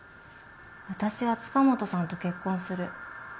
私は塚本さんと結婚する。